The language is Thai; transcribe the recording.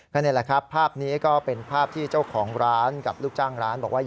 ก็นี่แหละครับภาพนี้ก็เป็นภาพที่เจ้าของร้านกับลูกจ้างร้านบอกว่า